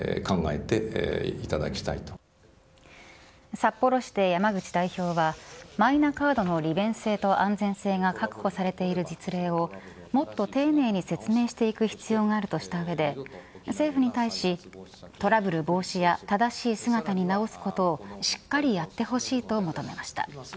札幌市で山口代表はマイナカードの利便性と安全性が確保されている実例をもっと丁寧に説明していく必要があるとした上で政府に対し、トラブル防止や正しい姿に直すことをしっかりやってほしいと求めました。